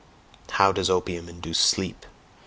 How does opium induce sleep?